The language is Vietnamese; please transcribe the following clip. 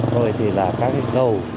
rồi thì là các cái cầu